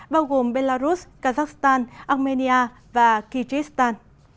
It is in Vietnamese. bao gồm belarus kazakhstan armenia và kyrgyzstan